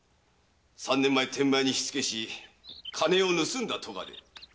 三年前天満屋に火付けし金を盗んだ咎で。